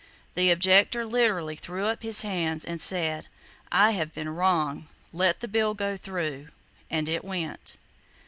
The objector literally threw up his hands, and said, "I have been wrong! Let the bill go through!" And it went.